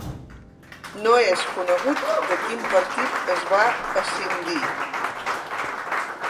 No és conegut de quin partit es va escindir.